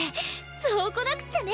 そうこなくっちゃね！